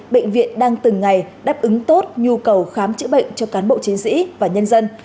bệnh viện đang từng ngày đáp ứng tốt nhu cầu khám chữa bệnh cho cán bộ chiến sĩ và nhân dân